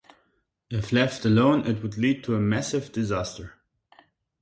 If left alone, it would lead to a massive disaster.